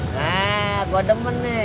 nah gua demen nih